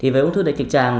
với ung thư đại trực tràng